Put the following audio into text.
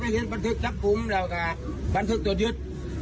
เฮ้ยรถใครยึด